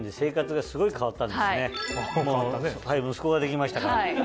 はい息子ができましたから。